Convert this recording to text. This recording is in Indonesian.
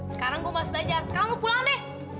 sekarang saya masih belajar sekarang kamu pulang deh